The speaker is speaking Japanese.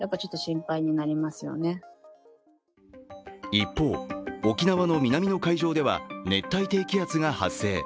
一方、沖縄の南の海上では熱帯低気圧が発生。